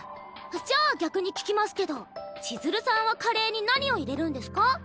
じゃあ逆に聞きますけど千鶴さんはカレーに何を入れるんですか？